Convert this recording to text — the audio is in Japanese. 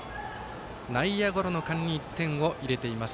内野ゴロの間に１点を入れています。